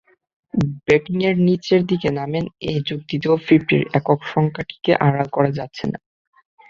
ব্যাটিংয়ে নিচের দিকে নামেন—এই যুক্তিতেও ফিফটির একক সংখ্যাটিকে আড়াল করা যাচ্ছে না।